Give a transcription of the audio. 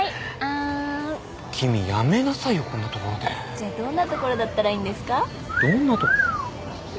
じゃどんなところだったらいいんですか？どんなところ。